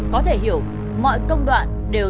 có thể hiểu